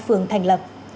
thường thành lập